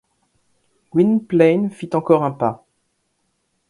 Gwynplaine fit encore un pas.